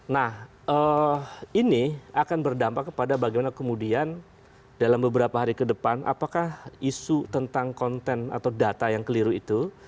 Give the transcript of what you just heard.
nah ini akan berdampak kepada bagaimana kemudian dalam beberapa hari ke depan apakah isu tentang konten atau data yang keliru itu